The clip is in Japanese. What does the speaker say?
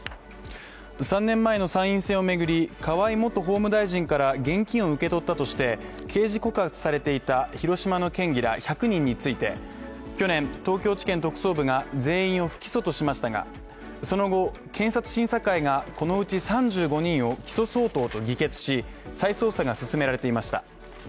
３年前の参院選を巡り河井元法務大臣から現金を受け取ったとして刑事告発されていた広島の県議ら１００人について去年、東京地検特捜部が全員を不起訴としましたがその後、検察審査会がこのうち３５人を起訴相当と議決し再捜査が進められていました。